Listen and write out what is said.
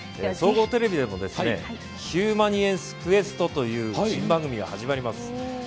総合テレビでも「ヒューマニエンスＱ」という新番組が始まります。